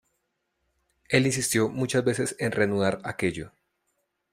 Él insistió muchas veces en reanudar aquello.